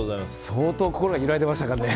相当、心が揺らいでいましたからね。